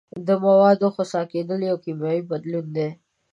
د موادو خسا کیدل یو کیمیاوي بدلون دی.